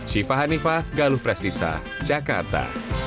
syifa hanifah galuh prestisa jakarta